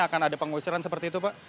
akan ada pengusiran seperti itu pak